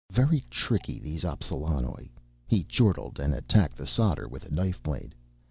"Very tricky, these Appsalanoj," he chortled and attacked the solder with a knife blade.